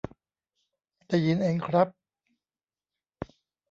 ได้ยินเองครับ